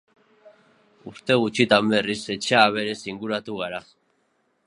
Urte gutxitan berriz etxe-aberez inguratu gara.